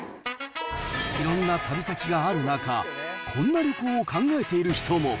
いろんな旅先がある中、こんな旅行を考えている人も。